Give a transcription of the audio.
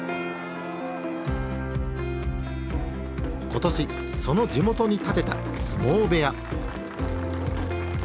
今年その地元に建てた相撲部屋。